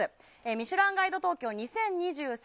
「ミシュランガイド東京２０２３」